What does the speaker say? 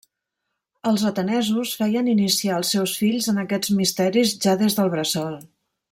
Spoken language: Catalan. Els atenesos feien iniciar els seus fills en aquests misteris ja des del bressol.